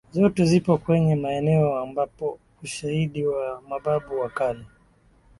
Zote zipo kwenye maeneo ambapo ushaidi wa mababu wa kale